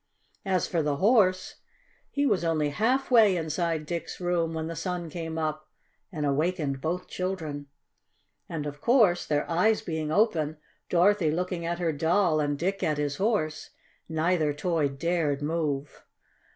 As for the Horse, he was only half way inside Dick's room when the sun came up and awakened both children. And of course, their eyes being open, Dorothy looking at her Doll and Dick at his Horse, neither toy dared move.